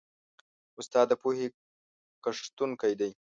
استاد د پوهې کښتونکی دی.